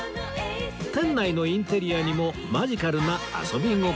店内のインテリアにもマジカルな遊び心が